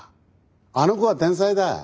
あの子は天才だ。